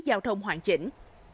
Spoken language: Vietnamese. giao thông hoàn chỉnh